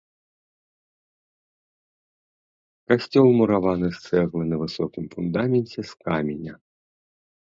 Касцёл мураваны з цэглы на высокім фундаменце з каменя.